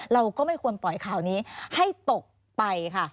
เราก็ไม่ควรปล่อยข่าวนี้ให้ตกไปค่ะ